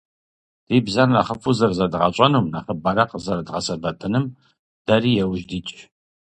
Ди бзэр нэхъыфӏу зэрызэдгъэщӀэнум, нэхъыбэрэ къызэрыдгъэсэбэпынум дэри иужь дитщ.